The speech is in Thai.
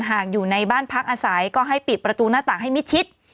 อยู่ในบ้านพักอาศัยก็ให้ปิดประตูหน้าต่างให้มิดชิด